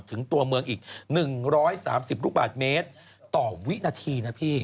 ถึงตัวเมืองอีก๑๓๐ลูกบาทเมตรต่อวินาทีนะพี่